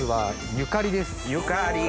ゆかり。